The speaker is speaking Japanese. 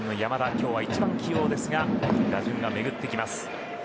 今日は１番起用ですが打順がめぐってきます。